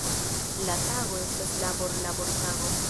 La tago estas labor-labortago.